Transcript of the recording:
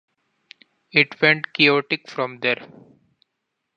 It went chaotic from there.